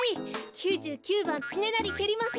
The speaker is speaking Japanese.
９９ばんつねなりけります。